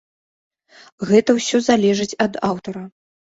Гэта ўсё залежыць ад аўтара.